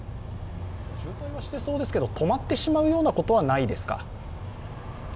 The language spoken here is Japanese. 渋滞はしてそうですけど止まってしまうようなことはないですか。